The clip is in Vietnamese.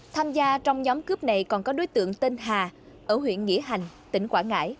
tham gia trong nhóm cướp này còn có đối tượng tên hà ở huyện nghĩa hành tỉnh quảng ngãi